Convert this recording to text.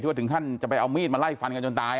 ว่าถึงขั้นจะไปเอามีดมาไล่ฟันกันจนตาย